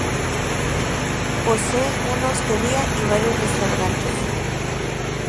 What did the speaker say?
Posee una hostería y varios restaurantes.